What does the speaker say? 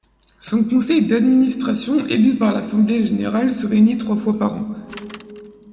Son conseil d’administration élu par l’assemblée générale se réunit trois fois par an.